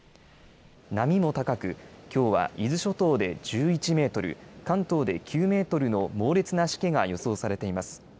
波も高く、きょうは伊豆諸島で１１メートル、関東で９メートルの猛烈なしけが予想されています。